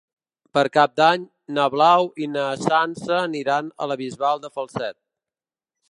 Per Cap d'Any na Blau i na Sança aniran a la Bisbal de Falset.